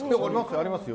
ありますよ。